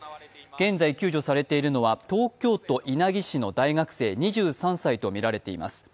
現在救助されているのは東京都稲城市の大学生、２３歳とみられています。